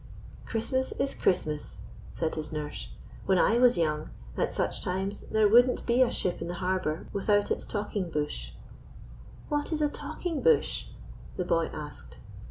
"Christmas is Christmas," said his nurse. "When I was young, at such times there wouldn't be a ship in the harbour without its talking bush." "What is a talking bush?" the boy asked.